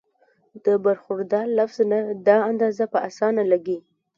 د برخوردار لفظ نه دا اندازه پۀ اسانه لګي